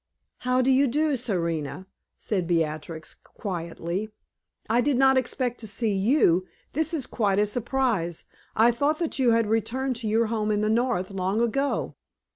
"How do you do, Serena?" said Beatrix, quietly. "I did not expect to see you; this is quite a surprise. I thought that you had returned to your home in the North long ago."